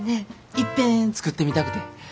いっぺん作ってみたくて。